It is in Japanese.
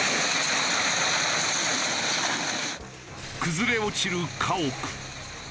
崩れ落ちる家屋。